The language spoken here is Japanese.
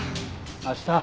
明日。